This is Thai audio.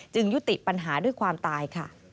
จึงยุติปัญหาด้วยความตาย